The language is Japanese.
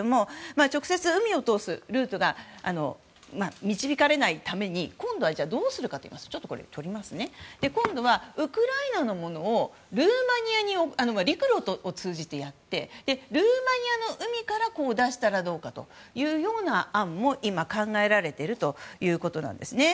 直接、海に通すルートが導かれないために今度はどうするかといいますとウクライナのものをルーマニアに、陸路を通じて持っていってルーマニアの海から出したらどうかというような案も今、考えられているということなんですね。